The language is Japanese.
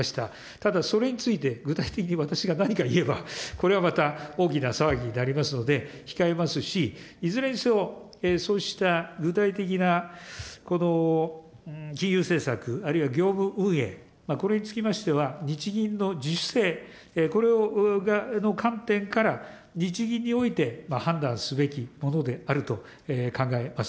ただ、それについて具体的に私が何か言えば、これはまた大きな騒ぎになりますので、控えますし、いずれにせよ、そうした具体的な金融政策、あるいは業務運営、これにつきましては日銀の自主性、これの観点から、日銀において判断すべきものであると考えます。